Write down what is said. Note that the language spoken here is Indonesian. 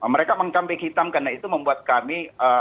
mereka mengkambing hitam karena itu membuat kami